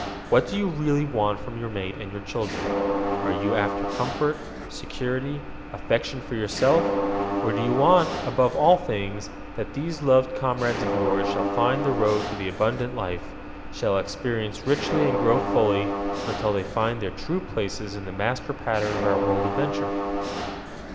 What do you really want from your mate and your children? Are you after comfort, security, affection for yourself? Or do you want, above all things, that these loved comrades of yours shall find the road to the abundant life shall experience richly and grow fully, until they find their true places in the master pattern of our world adventure?